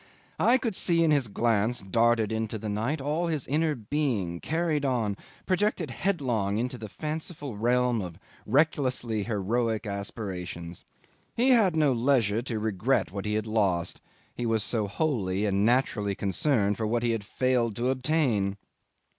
I could see in his glance darted into the night all his inner being carried on, projected headlong into the fanciful realm of recklessly heroic aspirations. He had no leisure to regret what he had lost, he was so wholly and naturally concerned for what he had failed to obtain.